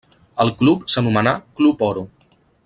El club s'anomenà Club Oro.